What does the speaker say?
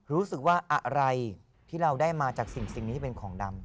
รู้สึกว่าอะไรที่เราได้มาจากสิ่งนี้ที่เป็นของดำ